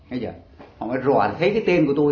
họ mới rò thấy cái tên của tôi